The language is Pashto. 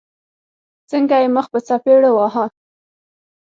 څنګه يې مخ په څپېړو واهه.